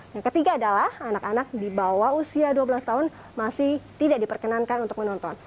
yang ketiga adalah anak anak di bawah usia dua belas tahun masih tidak diperkenankan untuk menonton